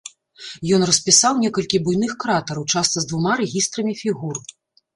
Ён распісаў некалькі буйных кратараў, часта з двума рэгістрамі фігур.